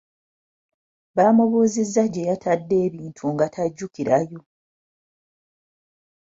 Bamubuuzizza gye yatadde ebintu nga tajjukirayo.